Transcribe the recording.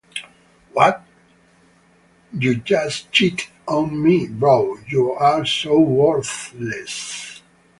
What?! You just cheated on me, bro, you are so worthless.